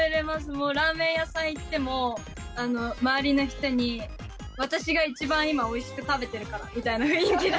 もうラーメン屋さん行っても周りの人に私が一番今おいしく食べてるからみたいな雰囲気で。